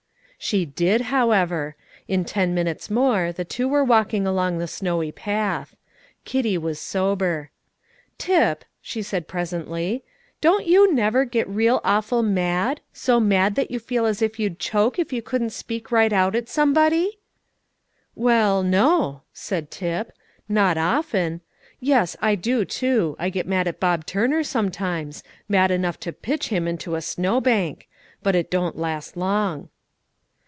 She did, however; in ten minutes more the two were walking along the snowy path. Kitty was sober. "Tip," she said presently, "don't you never get real awful mad, so mad that you feel as if you'd choke if you couldn't speak right out at somebody?" "Well, no," said Tip, "not often. Yes, I do too; I get mad at Bob Turner sometimes, mad enough to pitch him into a snow bank; but it don't last long."